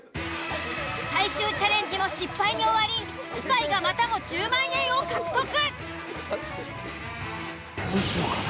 最終チャレンジも失敗に終わりスパイがまたも１０万円を獲得。